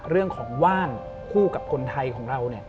เรื่องของว่านคู่กับคนไทยของเรา